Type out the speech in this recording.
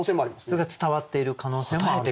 それが伝わっている可能性もある。